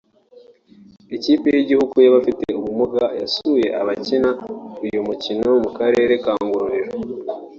Ikipe y’igihugu y’abafite ubumuga yasuye abakina uyu mukino mu karere ka Ngororero